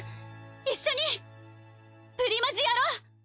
一緒にプリマジやろ！